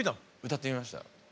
歌ってみました。